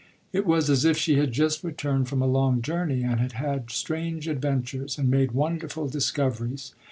It was as if she had just returned from a long journey and had had strange adventures and made wonderful discoveries.